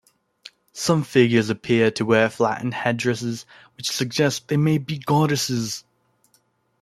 Some figurines appear to wear flattened headdresses, which suggests they may be goddesses.